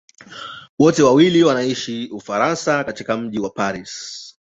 Wote wawili wanaishi mjini Paris, Ufaransa.